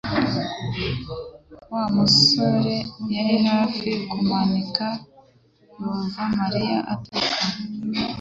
Wa musore yari hafi kumanika yumva Mariya ataka